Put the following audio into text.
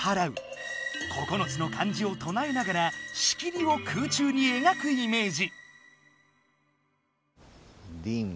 九つの漢字をとなえながらしきりを空中にえがくイメージ。